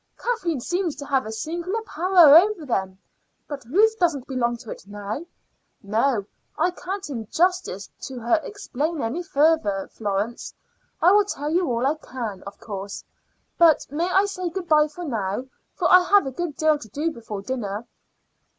Kathleen seems to have a singular power over them." "But Ruth doesn't belong to it now." "No. I can't in justice to her explain any further, Florence. I will tell you all I can, of course; but may I say good bye now, for I have a good deal to do before dinner?"